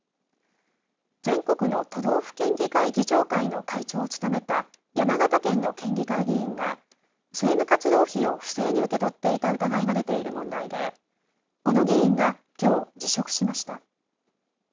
全国の都道府県議会議長会の会長を務めた山形県の県議会議員が政務活動費を不正に受け取っていた疑いが出ている問題でこの議員がきょう、辞職しました。